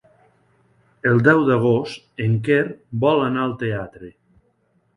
El deu d'agost en Quer vol anar al teatre.